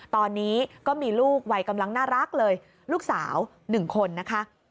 ตอนนี้ก็มีลูกวัยกำลังน่ารักเลยลูกสาว๑คนนะคะ